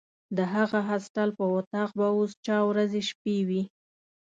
د هغه هاسټل په وطاق به اوس چا ورځې شپې وي.